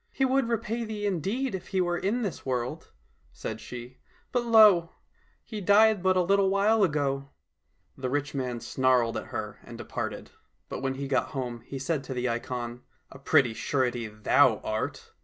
" He would repay thee indeed if he were in this world," said she, *' but lo now ! he died but a little while ago !" The rich man snarled at her and departed, but when he got home he said to the ikon, " A pretty surety thou art